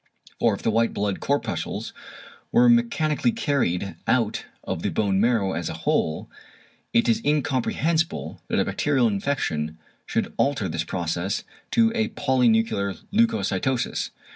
For if the white blood corpuscles were mechanically carried out of the bone marrow as a whole, it is incomprehensible that a bacterial infection should alter this process to a polynuclear leucocytosis.